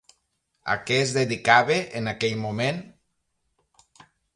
A què es dedicava en aquell moment?